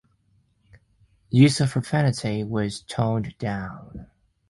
Use of profanity was toned down.